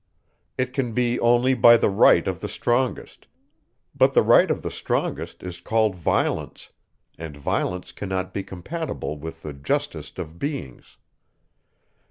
It can be only by the right of the strongest; but the right of the strongest is called violence, and violence cannot be compatible with the justest of beings.